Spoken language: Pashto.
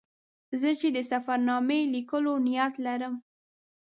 زه چې د سفر نامې لیکلو نیت لرم.